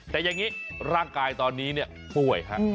แต่อย่างนี้ร่างกายตอนนี้ป่วยครับ